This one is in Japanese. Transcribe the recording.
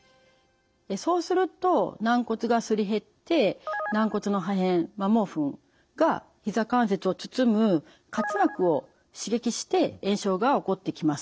そうすると軟骨がすり減って軟骨の破片摩耗粉がひざ関節を包む滑膜を刺激して炎症が起こってきます。